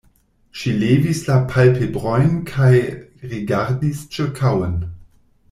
Ŝi levis la palpebrojn kaj rigardis ĉirkaŭen.